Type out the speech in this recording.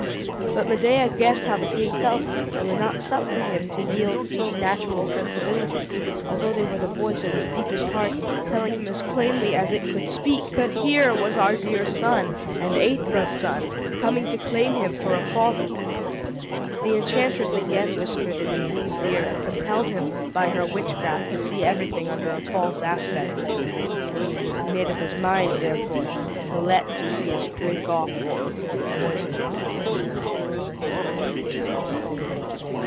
But Medea guessed how the king felt, and would not suffer him to yield to these natural sensibilities; although they were the voice of his deepest heart, telling him as plainly as it could speak, that here was our dear son, and Aethra's son, coming to claim him for a father. The enchantress again whispered in the king's ear, and compelled him, by her witchcraft, to see everything under a false aspect. He made up his mind, therefore, to let Theseus drink off the poisoned wine.